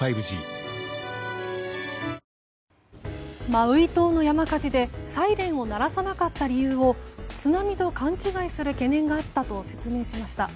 マウイ島の山火事でサイレンを鳴らさなかった理由を津波と勘違いする懸念があったと説明しました。